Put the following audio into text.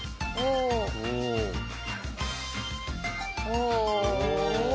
お。